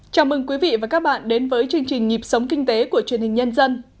chào mừng quý vị và các bạn đến với chương trình nhịp sống kinh tế của truyền hình nhân dân